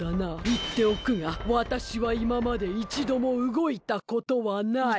いっておくがわたしはいままでいちどもうごいたことはない。